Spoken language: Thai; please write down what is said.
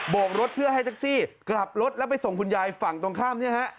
กรถเพื่อให้แท็กซี่กลับรถแล้วไปส่งคุณยายฝั่งตรงข้ามเนี่ยฮะ